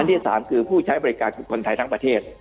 ที่๓คือผู้ใช้บริการคือคนไทยทั้งประเทศ